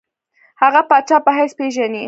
هغه پاچا په حیث پېژني.